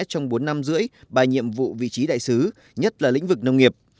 trong bốn năm rưỡi bà nhiệm vụ vị trí đại sứ nhất là lĩnh vực nông nghiệp